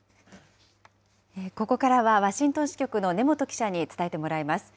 ここからはワシントン支局の根本記者に伝えてもらいます。